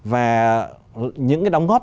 và những cái đóng góp